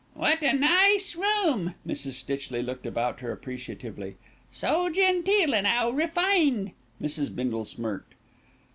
"Wot a nice room," Mrs. Stitchley looked about her appreciatively, "so genteel, and 'ow refined." Mrs. Bindle smirked.